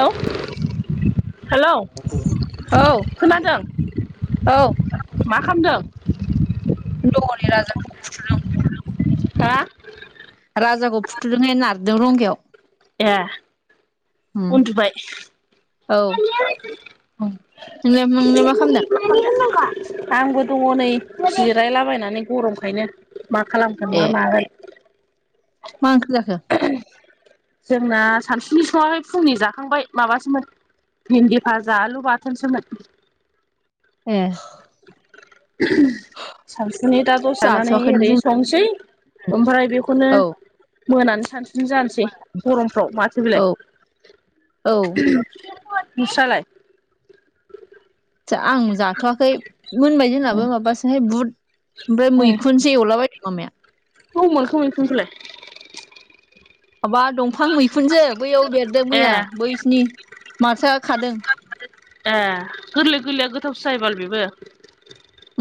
औ हेलौ औ खोनादों औ मा खामदों? दङ नै राजाखौ फुथुदों। [inaudible] हा राजाखौ फुथुदोंहाय नारदों रंगायाव ए उम उन्दुबाय? औ [inaudible] नों नोंलया मा खालामदों? आंबो दङ नै जिरायलाबायनानै गरमखायनो मा खालामगोन ए मा मागोन मा ओंख्रि जाखो? जोंना सानसुनि सङाखै फुंनि जाखांबाय माबासोमोन भिन्दि भाजा आलु बाथोनसोमोन ए सानसुनि दा दसे थानानै जाथ'वाखैनो ओरै जोंना संसै ओमफ्राय बे बेखौनो औ मोनानि सानसुनि बिदिनो जानोसै गरमफ्राव माथो बेलाय औ औ नोंस्रालाय? आं जाथ'आखै मोनबाय जोंनाबो माबासोहाय बुद ओमफ्राय मैखुन [unintelligible] बबाव मोनखो मैखुनखौलाय? माबा दंफां मैखुनजो बैयाव बेरदों ए मैया बैसिनि मास्टारा खादों ए गोरलै गोरलैया गोथावसो जायोबाल बेबो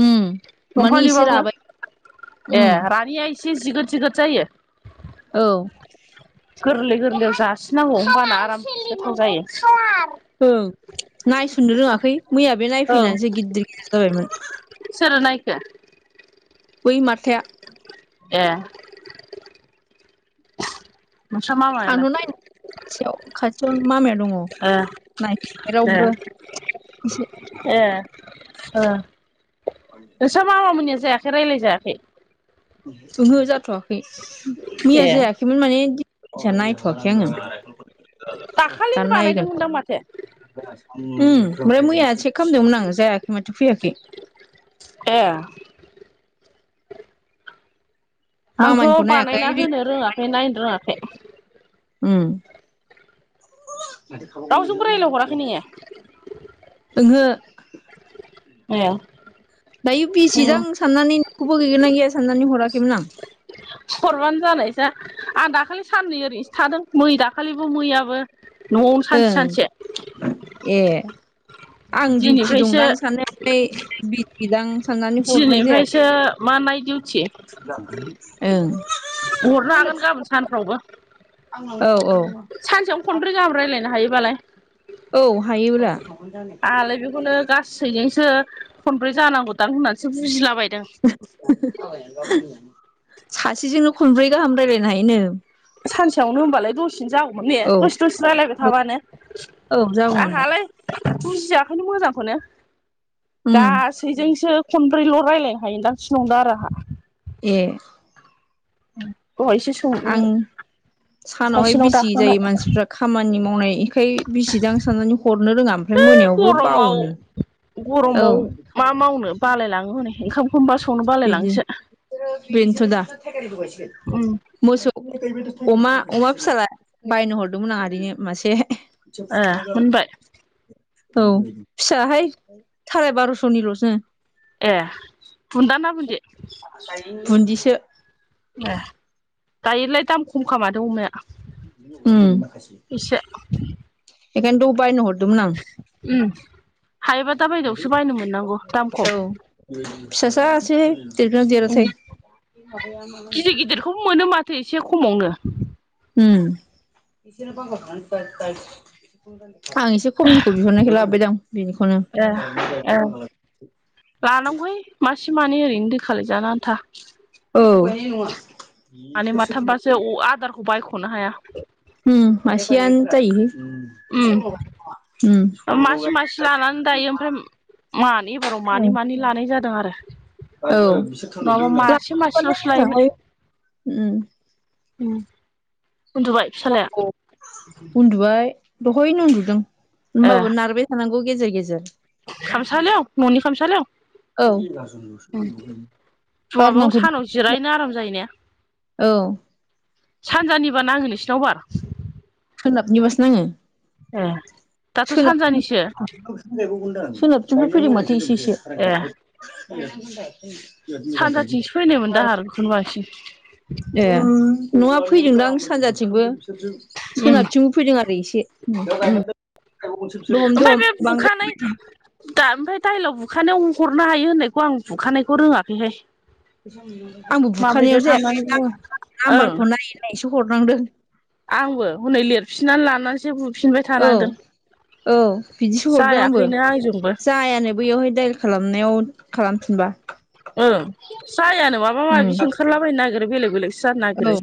उम माने एसे दंफांनिबाबो राबाय उम ए रानिया एसे जिगोद जिगोद जायो औ गोरलै गोरलैयाव जासिनांगौ होनोमबाना आराम गोथाव जायो। ओं नायसननो रोङाखै मैया बे औ नायफैनानैसो गिदिर गिदिर जाबायमोन। सोरो नायखो? बै मारथाया ए नोंस्रा आंथ' मामायालाय नाय खाथियाव खाथियाव माामायाव ए दङ रावबो ए एसे औ [inaudible] नोंस्रा मामा मोननिया जायाखै रायज्लाय जायाखै? ओहो जाथ'वाखै मैया ए जायाखैमोन माने नायथ'वाखै आङो। दा दाखालिनो नायगोन बानायदोंमोनदां माथो? उम ओमफ्राय मैया सेेक खालामदोंमोन आं जायाखै माथो फैयाखै। ए आंथ' मामानिखौ नायाखै बानायना होनो रोङाखै नायनो रोङाखै। उ [unintelligible] रावजोंबो रायलायहराखै नोङो ओंहो ए दायो बिसिदां साननानै नखौबो गैगोन ना गैया साननानै हराखैमोन आं हरबानो जानायसै आं दाखालि साननै ओरैनोसो थादों मै दाखालिबो मैयाबो। न'आवनो सानसे ओं सानसे ए आं दिडिउटि दिनैफ्रायसो दंदां आं साना नै बिजिदां साननानै हरनाय जायाखै दिनिफ्रायसो मा नाइट दिउटि ओं हरनो हागोन गाबोन सानफ्रावबो। औ औ सानसेयाव खनब्रो गाहाबो रायज्लायनो हायोबालाय। औ हायोबारा आालाय बेखौनो गासैजोंसो खनब्रै जानांगौदां होननानैसो बुजिलाबायदों। सासेजोंनो खनब्रै गाहाम राय्लायनो हायोनो। सानसेयावनो होनबालाय दसेनो जागौमोन ने औ दसे दसे राय्लायबाय औ थाबानो। औ जागौमोन दा आंहालाय बुजियाखैनो मोजांखौनो। उम गासैजोंसो खनब्रैल' रायज्लायनो हायो दां सिलंदों आरो आंहा ए दहायसे आं सानावहाय बिसि दाखांबाय जायो मानसिफ्रा खामानि मावनाय इखाय बेजिदां साननानै हरनो रोङा ओमफ्राय मोनायावबो बावोनो औ गरमाव मा मावनो बालायलाङो है ओंखामखौबा संनो बा बिदिनो बेनोथ' दा उम मोसौ अमा अमा फिसाला बायनो हरदोंमोन आं ओरैनो मासे ए मोनबाय [inaudible] औ फिसाहाय साराय बार'स'निल' नो ए बुन्दा ना बुनदि बुन्दिसो ए दायोलाय दाम खम खादा अमाया उ एसे एखानथ' उबायनो ह उ हायोबा दा बायदेआवसो बायनो मोननांगौ दाम खम फिसासा सोहाय देरगोना देरथाय सम मोनो माथो एसे खमावनो उ [unintelligible] आं एसे खमनिखौ बिहरनायखौ लाबोबायदां बेनिखौनो ए लानांगौहाय मासे मानै ओरैनो दैखलाय जाना आन्था औ मानै माथामबासो अ आदारखौ बायख'नो हाया। उ मासेयानो जायोहाय उम उ मानि एबाराव मानि मानि लानाय जादों आरो नङाबा मासे औ मासेल'सो [inaudible] उ उनदुबाय दहायनो उन्दुदों ए होमबाबो नारबाय थानांगौ गेजेर गेजेर खामसालियाव न'नि खामसालियाव औ उ बार जवाबाव सानाव नांफैदों जिरायनो आराम जायोने औ सानजानिबा नाङो नोंसिनाव बार सोनाबनिबासो नाङो ए दाथ' सानजानिसो सोनाबथबो फैदों माथो एसे एसे सानजाथिंसो फैनायमोन दाह आरो बेखौनो बांसिन ए न'आ फैदोंदां सानजाथिंबो सोनारथिंबो फैदों आरो एसे दहम ओमफ्राय बे दहम बुखानाय बांद्रायै दा ओमफ्राय दाइलआव बुखानायाव हरनो हायो होननायखौ आं बुखानायखौ रोङाखैहाय आंबो माबायदियाव बुखानायाव थांनानै जायाखै बुङो ओं नाम्बारखौ नायै नायैसो हरनांदों आंबो हनै लिरफिननानै लानानैसो बु औ औ बिदिसो हरदों आंबो जायाखैनो आंजोंबो जायानो बैयावहाय डाइ खालामनायाव खालामफिनबा ओ जायानो माबा उम माबि ओंखारलाबायायनो नागिरो बेलेग बेलेग जार औ नागिरो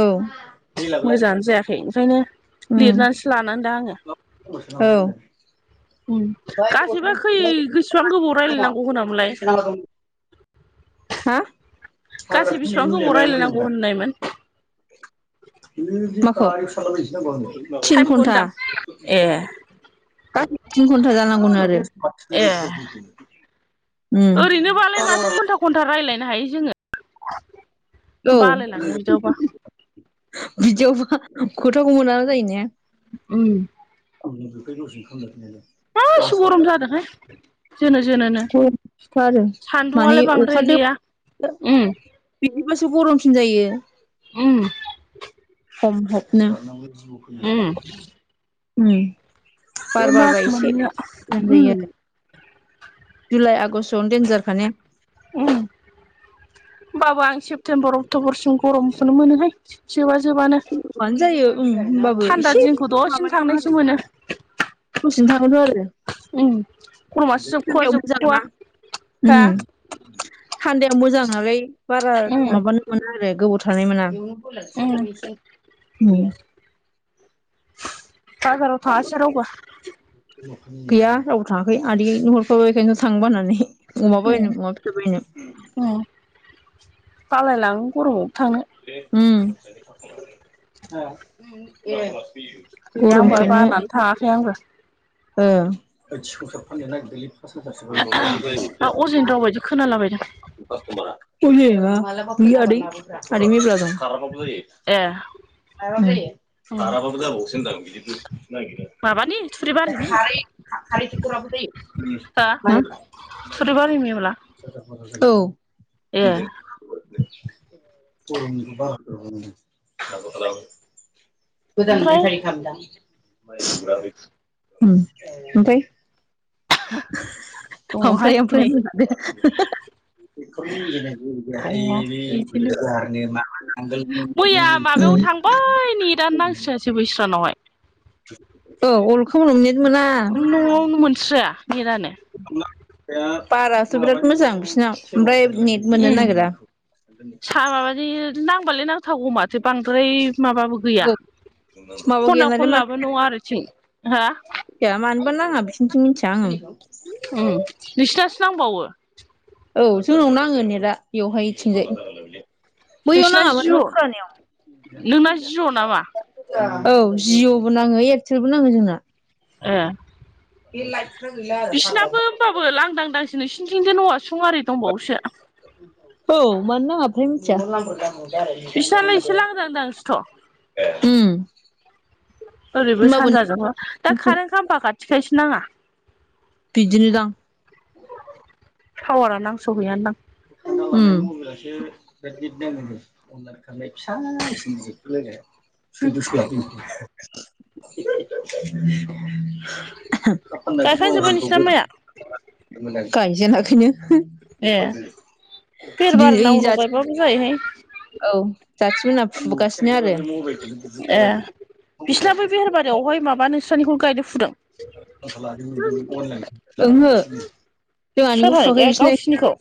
औ मोजाङानो जायाखै ओंखायनो उम लिरनानैसो लानांदां आङो औ गासैबो खै गोसबां गोबाव रायज्लायनांगौ होनामलाय हा गासै हाग्रा बेसिबां थैनायनि गोबाव मुुलिया माया मोजां रायलायनांगौ ब्रा होननायमोन माखौ थिन टाइमखौ घन्टा होनदां ए गासै तिन घन्टा जानांगौमोन आरो ए उम ओरैनोबालाय माथो घन्टा घन्टा रायज्लायनो हायो जोङो औ बालायलाङो बिदियावबा [unintelligible] बिदियावबा खथाखौ मोना जायो ने उम [unintelligible] मा एसे गरम जादोंहाय जोनो जोनो नो गरमखा आरो माने सान्दुआलाय अखा बांद्राय दो गैया बिदिबासो गरमसिन जायो ओम समभब नो‌ उम उम बे बार मास बारबा इसे मोननैया उम [unintelligible] जुलाइ आगष्टआवनो देन्जारखा ने उम होमबाबो आं सेप्तेम्बर अक्ट'बरसिम गरमखौनो मोनोहाय जोबा जोबानो मानो जायो ओम ओमबाबो थान्दा एसे दिनखौ दसेनो माबादो थांनायसो आरो मोनो दसेनो थाङोथ' आरो ओम [unintelligible] मोजां ना हा थान्दाया मोजां नालाय बारा उम माबानो मोना आरो गोबाव थानाय मोना उम ओम बाजाराव थाङासै रावबो गैया रावबो थाङाखै आदैनो हरफाबाय बेखायनो थांबनानै अमा बायनो अमा फिसा बायनो ओम बालाय लाङो गरमावबो थांनो ओम गैया आंबो गरमखायनो बानानै थाङाखै आंबो ओ [unintelligible] [unintelligible] खोनालाबाय दा [unintelligible] ए। उम [unintelligible] माबानि थुरिबारिनि हा [unintelligible] थुरिबारि मेवला। औ। [unintelligible] गोदान ओमफ्राय रिफारि खालामदां उम ओमफाय। दङहाय ओमफ्राय-ओमफ्राय नै [inaudible] दङ बिदिनो [unintelligible] मैया माबायाव थांबाय नेदानो नांस्रासै बैस्रानावहाय। औ अलखामोनाव नेट मोना। न'आवनो मोनस्राया नेटानो। बारासो बिराद मोजां बिसिनाव ओमफ्राय नेट मोननो नागिरा। साहा माबानि नांबालाय नांथावगौ माथो बांद्राय माबाबो गैया औ माबा गैया खना नालाय मानो खनलाबो नङा आरो थिं हा मिथिया मानोबा नाङा बिसनिथिं मिथिया आङो। उम नोंसिनासो नांबावो? औ जोंनाव नाङो नेदा। बेवहाय ओइथिंजाय बैयाव नोंसिना नाङामोन जिअ न' फुरानायाव। नोंना जिअ' नामा? औ जिअ'बो नाङो एयारटेलबो नाङो जोंना। ओ। [unintelligible] बिसिनाबो होमबाबो लांदांदांसो नोंसिनिथिंजाय औवा सुं आरि दंबावोसो। औ मनो नाङाबोथाय बिसिनालाय एसे मोनथिया। लांदां दांसोथ' उम। ओरैबो होमबाबो सानजाजोंह दा कारेन्ट खालामामफा खाथिखायसो नाङा। बिदिनो दां। टावारा नांसहैयानदां। उम। [unintelligible] गायखांजोब्बाय नोंसिना माइया [unintelligible] गायजेनाखैनो। ए दि बेरबारिना ओय जा उनाव [unintelligible] गायबाबो जायोहाय औ जाथि मोनहा फुगासिनो आरो। ए बिसिना [unintelligible] [unintelligible] माबा नोंस्रानिखौनो गायदों फुदों? ओंहो। जोंहानिखौ सोरहाय फुवाखै ए बिसिना गावसिनिखौ।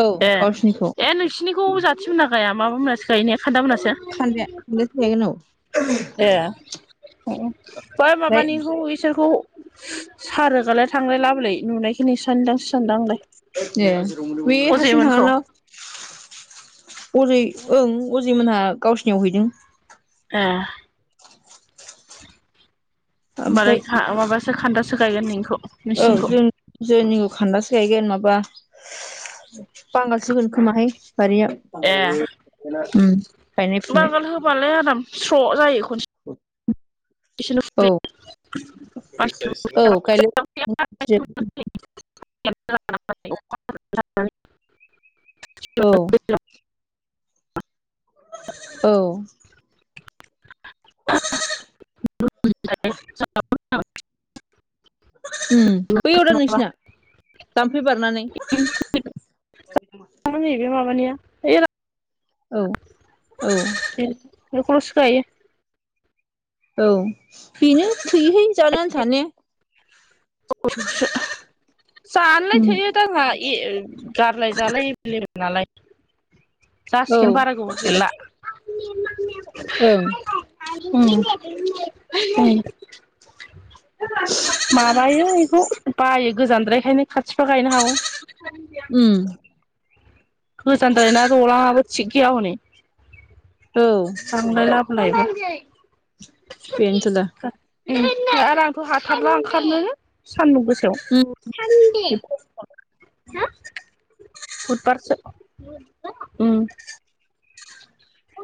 औ गावसिनिखौ ए-ए नोंसिनिखौ जाथि मोना गाया माबा मोनासो गायोनो खान्दा मोनासो? खानदाया [inaudible] ए बै ओमफ्राय माबानिखौ इ बिसोरखौ सा रोगालाय थांलाय लाबोलाय नुनायखिनो इसानिदांसो सानदां आंलाय। ए बे हारसिं अजयमोनखौ थाङाना। अजय ओं अजै मोनहा गावसिनियाव हैदों। ए। होमबालाय ओमफ्राय खा माबासो खान्दासो गायगोन नो इखौ। ओ जों-जोंनिखौ खान्दासो गायगोन माबा बांगाल [unintelligible] बारिया ए उम गायनाय फुनाय। फुबालाय आराम स्र' जायो खनसे औ। औ [inaudible] औ [inaudible] औ। [unintelligible] [inaudible] उम बैयाव दा नोंसिना जाम्फै बारनानै। ब [unintelligible] मानि बे माबानिया। औ। औ। बेखौल'सो गायो। औ बेनो थैयोहाय। जानलाय उम थोयो। आंहा ए गारलाय जालाय एबेलेबेल नालाय। औ जासिगोन बारा गोबाव गैला। ओं उम उम। माबायो बेखौ बायो गोजानद्रायखायनो खाथिबा गायनो हागौ। उम। गोजानद्राय ना दलाङाबो थिग गैया हनै। औ। [unintelligible] आरो बेनोथ' दा आंथ' हाथारला ओंखारनो सानदुं गोसायाव उम हो बुटबारसो बुटबार उम।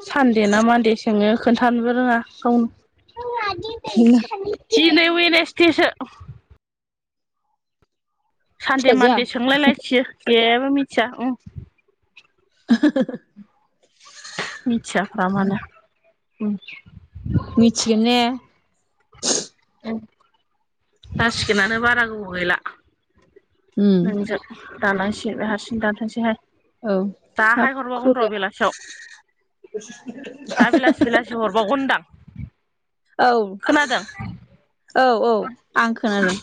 सानदे ना मानदे सोङो खोन्थानोबो रोङा गावनो नोंना [unintelligible] दिनै वेदनेसदे सो। सानदे फिसाजोआ मान्दे सोंलायलायथियो जेबो मिथिया उम। ओहोहोह। मिथियाफामानो उम। मिथिगोन ने? जासिगोनानो बारा गोबाव गैला। उम नोंजों दानांसै हारसिं दाथोंसैहाय। औ हाब दाहाय हरबावगोन र' खुराया बेलासियाव। दा बेलासि बेलासि हरबावगोन होनदां। औ औ औ आं खोनादों।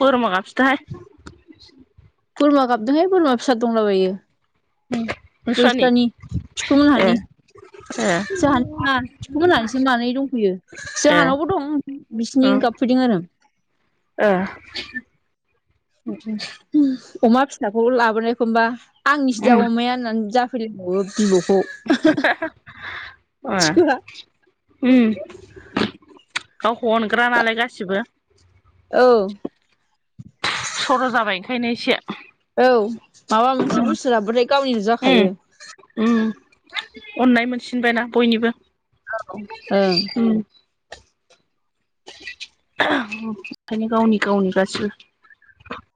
गरमा गाबसथाहाय। बोरमा गाबदोंहाय बोरमा फिसा दंलाबायो। नोंस्रानि बैसानि ए सखुमोनहानि। ए जोंहानि नङा मोनहानिसो मानै दंफैयो। ए जोंहानावबो दं बिसिनि गाबफैदों आरो। ओ उम। अमा फिसाखौ लाबोनायखौमबा आंनिसोदा उम अमाया होननानै जा फलिबावो बिबौखौ। ओहोहोह थिखोआ अ। गावखौ अनग्रा नालाय गासिबो। औ। सर' जाबाय ओंखायनो एसे औ माबा मोनसे उम बुस्थु लाबोबाथाय गावनिल' उम जाखायो। उम। अननाय मोनसिनबायना बयनिबो। ओं। ओह ओंखायनो गावनि गावनि गोसिबो।